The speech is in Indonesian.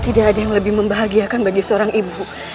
tidak ada yang lebih membahagiakan bagi seorang ibu